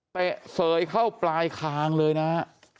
เสยเข้าปลายคางเลยนะฮะ